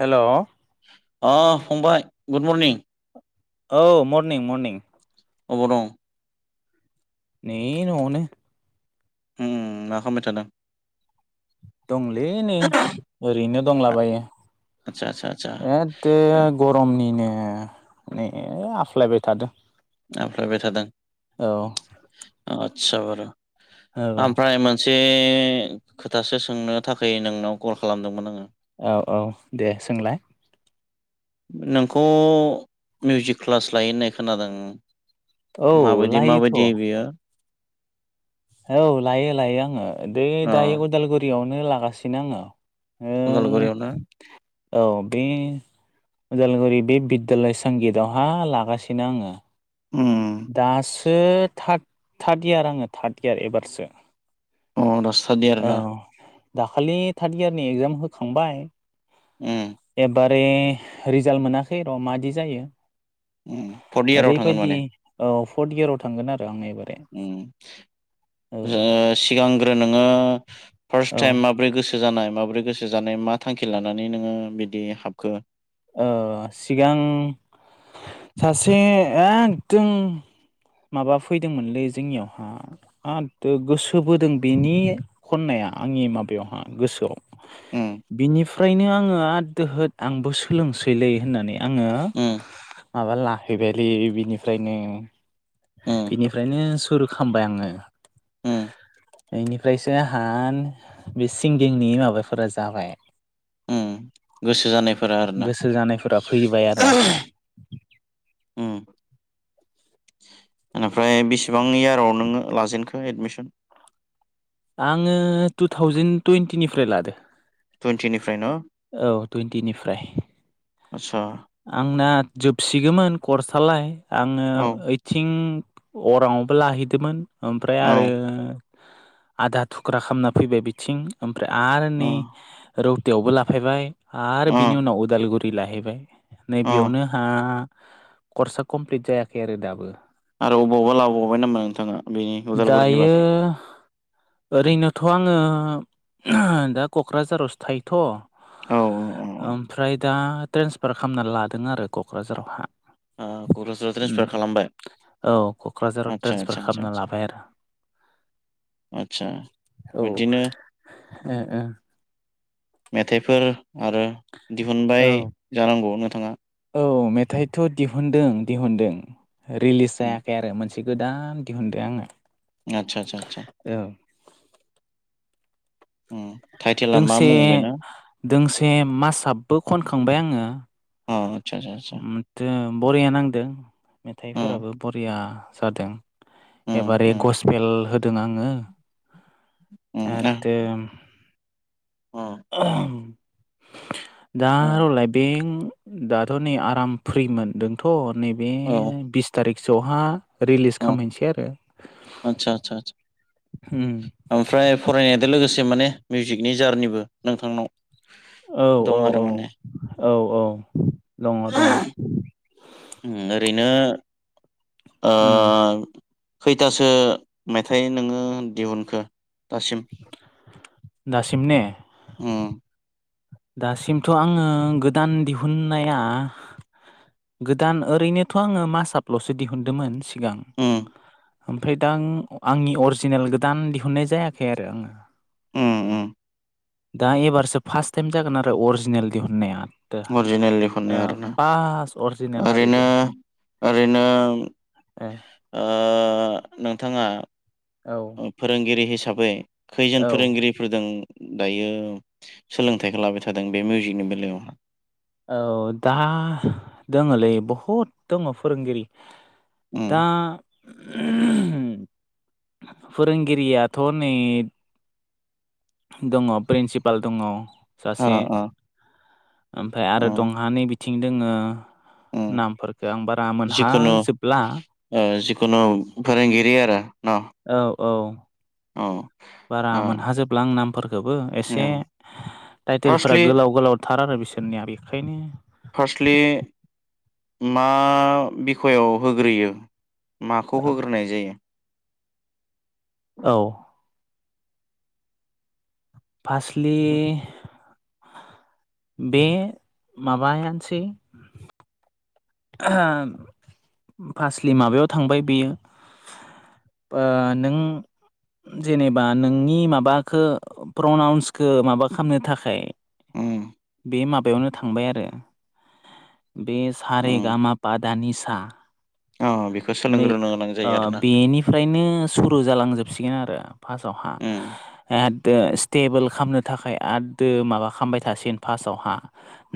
हेल' अ फंबाय good morning औ मरनिं मरनिं। अबाव दं? नै न'यावनो। उम मा खामबाय थादों? दंलै नै ओरैनो आ- दंलाबायो आदसा आदसा आदसा एद [unintelligible] गरमनिनो नै आख्लायबाय थादों। आख्लायबाय थादों औ आस्सा बार' औ ओमफ्राय मोन मोनसे खोथासो सोंनो थाखाय नोंनाव कल खालामदोंमोन आङो औ औ दे सोंलाय नोंखौ मिउजिक क्लास लायो होननाय खोनादों औ माबायदि लायोथ' माबायदि बियो? औ लायो लायो आङो बे अ दायो उदालगुरियावनो लागासिनो आंङो उदालगुरियावनो औ बे उदालगुरि बे बिद्दयालय संगितआवहा लागासिनो आंङो अम दासो थार्द इयार आङो थार्द इयार एबारसो अ दा स्टार्ड इयार औ ना दाखालि थार्द इयारनि एगजाम होखांबाय अम एबारे रिजाल्ट मोनाखै र' मादि जायो अम फर्थ इयाराव थांगोन ओरैबायदि माने औ फर्थ इयाराव थांगोन आरो आं एबारे औ ओ सिगांग्रो नोंङो फारस औ टाइम माबोरै गोसो गोसो जानाय माबोरै गोसो जानाय मा थांखि लानानै नोङो बिदि हाबखो ओ सिगां सासे एकदम माबा फैदोंमोनलै जोंनियावहा आ गोसो बोदों बेनि खन्नाया आंनि माबायावहा गोसोआव उम बिनिफ्रायनो आंङो आरो दोहो आंबो सोलोंसैलै होननानै आंङो उम माबा लाहैबायलै बिनिफ्रायनो अम बिनिफ्रायनो सुरु खामबाय आंङो। उम बेनिफ्रायसो आंहा बे सिंगिंनि माबाफोरा जाबाय उम गोसो जानायफोरा आरोना गोसो जानायफोरा फैबाय आरो आंहा अम ओनिफ्राय बेसेबां इयाराव नोंङो लाजेनखो एडमिसन आङो टु थावजेेन टुइन्टिनिफ्राय लादों। टुइन्टिनिफ्राय न औ टुइन्टिनिफ्राय आदसा आंना जोबसिगौमोन कर्सालाय आङो औ ओइथिं अराङआवबो लाहैदोंमोन ओमफ्राय आरो औ आधा थुख्रा खामना फैबाय बिथिं ओमफ्राय आरो नै अ रौतायावबो लाफैबाय आरो अ बिनि उनाव उदालगुरि लाहैबाय अ नैबेयावनो हा कर्सा कमप्लिट जायाखै आरो दाबो आरो अबावबा लाबावबाय नामा नोंथाङा बेनि उदालगुरिनि बादै दायो ओरैनोथ आङो दा क'क्राझारावसो औ औ थायोथ' ओमफ्राय दा ट्रेन्सफार खामना लादों आरो क'क्राझारावहा क'क्राझाराव उम ट्रेन्सफार खालामबाय औ क'क्राझाराव आदसा ट्रेन्सफार आदसा आदसा खालामना लाबाय आरो। आतसा औ बिदिनो ओ ओ मेथाइफोर आरो दिहुनबाय ओ जानांगौ नोंथाङा औ मेथाइथ' दिहुनदों दिहुनदों रिलिस उम जायाखै आरो मोनसे गोदान दिहुनदो आंङो आतसा आतसा आतसा औ ओम दोंसे दोंसे मासाबबो खनखांबाय आङो अ आदसा आदसा आदसा ओम बरिया नांदों उम मेथाइफोराबो बरिया जादों उम एबारै उम गसपेल होदों आङो [unintelligible] ओम [unintelligible] दा उम र'लाय बें दाथ' नै आराम फ्रिमोन दों थ' नैबे औ बिस थारिखसोआवहा रिलिस खालामामहैनोसै आरो आतसा आतसा उम ओमफ्राय फरायनायजों लोगोसे माने मिउजिकनि जारनिबो नोंथांनाव औ औ दं आरो औ माने औ औ दङ दङ ओम ओरैनो ओ उम खैथासो मेथाइ नोङो दिहुनखो दासिम दासिम ने ओम दासिमथ' आङो गोदान दिहुनाया गोदान ओरैनोथ' आङो मासापल'सो दिहुनदोंमोन सिगां उम ओमफ्राय दा आंनि अरिजिनेल गोदान दिहुननाय जायाखै आरो आङो ओम ओम दा एबारसो फार्स्ट टाइम जागोन आरो अरिजिनेल दिहुननाया अरिजिनेलनि खननाय ओ आरोना फार्स्ट अरिजिनेल आरो ओरैनो बे ओरैनो ए ओ नोंथाङा औ फोरोंगिरि हिसाबै खैजोन औ फोरोंगिरि फोरदों दायो सोलोंथाइखौ लाबाय थादों बे मिउजिकनि बेलायावहा औ दा दङलै बहुद दङ फोरोंगिरि दा उम फोरोंगिरियाथ' नै दङ प्रिन्सिपाल दङ अ सासे अ ओमफ्राय आरो उम दंहा नै बिथिं दोङो उम नामफोरखौ आं बारा जिखुनु मोनहाजोबला ओ जिखुनु फोरोंगिरि आरो न औ औ ओ बारा मोनहाजोबला आं नामफोरखौबो एसे ओं टाइटेलफोरा फार्स्टलि गोलाव गोलावथार आरो बिसोरनिया बेखायनो फार्स्टलि मा बिखआव होग्रोयो माखौ होग्रोनाय जायो औ फासलि बे माबायानोसै। फासलि माबायाव थांबाय बेयो। बा नों। जेनेबा नोंनि माबाखो प्रनाउन्सखौ माबा खामनो थाखाय। ओम बे माबायावनो थांबाय आरो बे सारे उम बादा निसा अ बेखौ नै सोलोंग्रोनो गोनां ओ जायो आरोना बेनि फ्रारायनो सुरु जालांजोबसिगोन आरो फार्टावहा उम एददो टेबोल खामनो थाखाय आददो माबा खामबाय थासिगोन फार्स्टआवहा।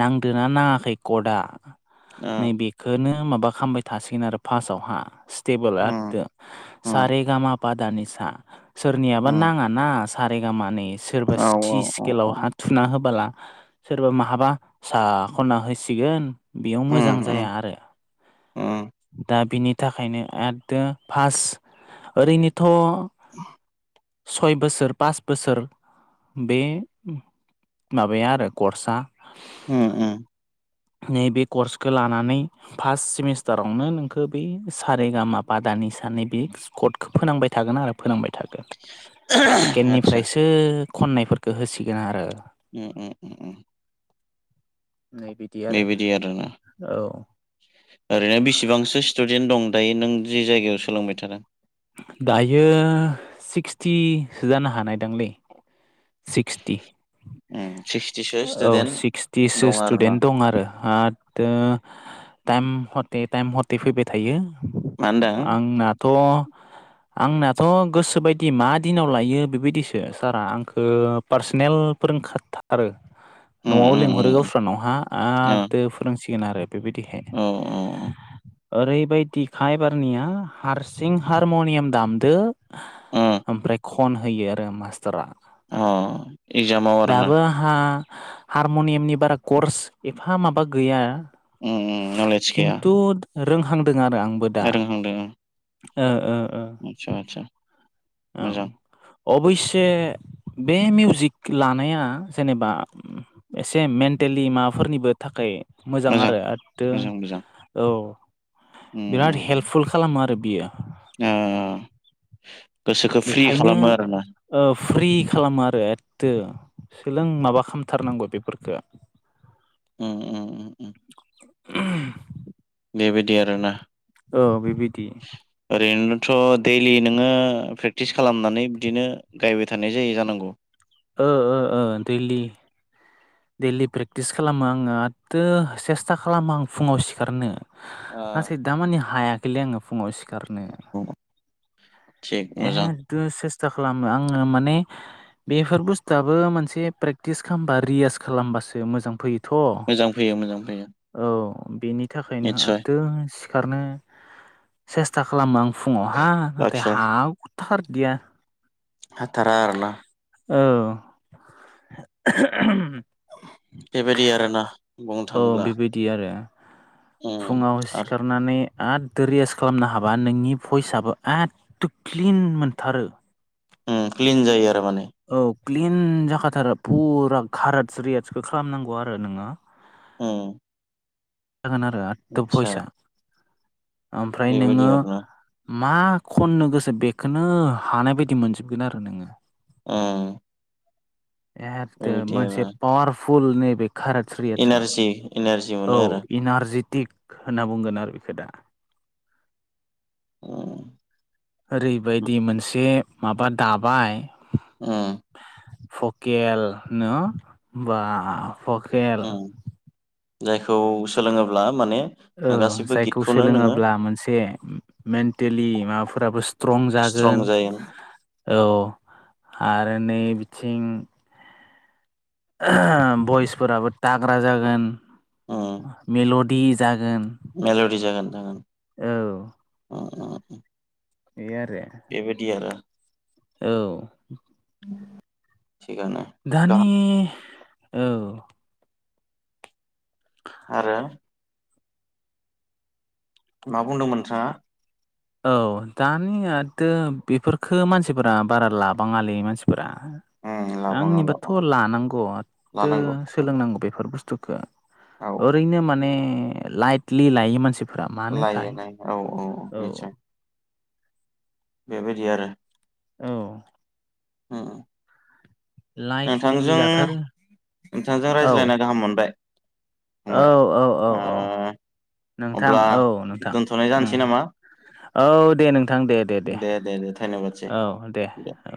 नांदोना नाङाखै कडआ [unintelligible] बेखोनो माबा खामबाय थासिगोन आरो फार्स्टआवहा टेबोला उम दो उम सारे गामा पादा निसा सोरनियाबा उम नाङा ना सारे माने सोरबा औ औ स्ति औ स्केलाव औ हा थुना होबाला सोरबा माहाबा फिसा खनना होसिगोन बेयाव उम मोजां उम जाया आरो। उम दा बिनि थाखायनो एददो फार्स्ट ओरैनोथ'। [inaudible] सय बोसोर पास बोसोर बे उम। माबाया आरो कर्सआ। अ अ। नैबे कर्सखो लानानै फार्स्ट सेमिस्टारावनो नोंखो बि सारेगामा पादा निसानि बि स्कटखो फोनांबाय थागोन आरो फोनांबाय थागोन आदसा सेकेणडनिफ्रायसो। खननायफोरखो होसिगोन आरो। उम उम उम उम। नै बिदि आरो। [unintelligible] औ। ओरैनो बिसिबांसो स्टुडेन्ट दं दायो नों जे जायगायाव सोलोंबाय थादों। दायो सिक्सटिसो जानो हानायदांलै। सिक्सटि उम सिक्सटिसो औ स्टुडेन्ट सिक्सटिसो दं आरो ना स्टुडेन्ट दं आरो। हातटो टाइम हटे टाइम हट। टे फैबाय थायो मा होनदों आंनाथ'। आंनाथ' गोसो बायदि मा दिनाव लायो बेबायदिसो सारआ आंखो पार्सनेल फोरोंखाथारो। [inaudible] न'आव उम लिंहरो उम गावस्रानावहा ओ आददो फोरोंसिगोन आरो बेबायदिहाय। औ औ। ओरैबायदिखा एबारनिया हारसिं। हारम'नियाम दामदो उम ओमफ्राय खनहोयो आरो मास्टारा। अ एक्जामाव आरोना। हा हारमनियामनि बारा कर्स एफा माबा गैया। उम उम नलेज किन्थु रोंहांदो आरो आं। रोहांदों ओं। ओ ओ ओ। आतसा आतसा। औ अबयसे बे मिउजिक लानाया जेनेबा। एसे मेन्टेलि माबाफोरनिबो थाखै। मोजां आरो एददो मोजां मोजां औ उम बिराद हेल्प उम फुल खालामो आरो बियो। ओ गोसोखौ फ्रि बिखायनो खालामो आरोना ओ फ्रि खालामो आरो एदे सोलों माबा खालामथारनांगौ बेफोरफोरखो उम उम [unintelligible] बेबायदि आरोना। औ बे बिदि। ओरैनोथ' दैलि नोङो प्रेक्टिस खालामनानै बिदिनो गायबाय थानाय जायो जानांगौ। ओ ओ ओ दैलि दैलि प्रेक्टिस खालामो आङो आथो सेस्था खालामो आं फुङाव सिखारनो। ओ आंसो दामानि हायाखैलै आङो फुङाव सि खारनो थिग मोजां एदो सेस्था खालामो आङो माने बेफोर बुस्थुआबो मोनसे प्रेक्टिस खालामबा रिय्स खालामबासो मोजां फैयो। मोजां फैयो मोजां फैयो। औ बेनि थाखायनो निस्सय आददो सिखारनो सेस्था खालामो आं फुङाव हा नाथाय बाखिया हाथार दिया। हाथारा आरोना? औ [unintelligible] बेबायदि आरोना बुंनो औ थाङोब्ला बेबायदि आरो। उम फुङाव आरो सिखारनानै एद' रियास खालामनो हाबा नोंनि भइसआबो एद' क्लिन मोनथारो। उम क्लिन जायो आरो माने। औ क्लिन जाखाथारो फुरा गारतस रियासखौ खालामनांगौ आरो नोङो। उम जागोन आरो आथथो आदसा भइस आं आमफ्राय बेबायदि नोङो आरोना मा खननो गोसो बेखौनो हानाय बायदि मोनजोबगोन आरो नोङो। उम एथदो बेबायदि मोनसे आरो पावारफुल नै बे खारस्त रियथ्ससा इनारजि इनारजि मोनो औ आरो इनारजेटिक होनना बुंगोन आरो बेखौ दा। उम ओरैबायदि मोनसे माबा दाबाय उम भकेलनो बा भकेल उम जायखौ सोलोङोब्ला माने ओ गासैबो जायखौ गितखौनो नोङो सोलोङोब्ला मोनसे मेनथिलि माबाफोराबो स्ट्रं जागोन, स्ट्रं जायो औ आरो नै बिथिं [unintelligible] भइसफोराबो थांबा ग्रा जागोन उम मेल'डि जागोन। मेल'डि जागोन जागोन औ [unintelligible] बे आरो बेबायदि आरो औ थिगानो दानि गाहाम औ आरो मा बुंदोंमोन नोंथाङा? औ दानियातो बेफोरखो मानसिफोरा बारा लाबाङालै मानसिफोरा। उम लाबाङा आंनिबाथ' लाबाङा लानांगौ आदतो लानांगौ लानांगौ सोलोंनांगौ बेफोर बुस्थुखो औ ओरैनो माने लाइटलि लायो मानसि लायोनै औ औ नितसय बेबायदि आरो। औ उम लाइटलि नोंथांजों लाथारो नोंथांजों औ रायज्लायना गाहाम मोनबाय। औ फंबाय औ औ ओ औ नोंथां अब्ला औ नोंथां दोनथ'नाय उम। जानोसै नामा औ दे नोंथां दे दे दे औ दे औ।